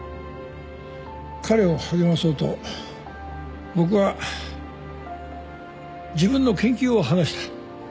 彼を励まそうと僕は自分の研究を話した。